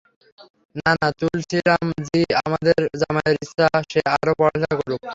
না, না, তুলসিরাম জি আমাদের জামাইয়ের ইচ্ছা সে আরও পড়ালেখা করুক।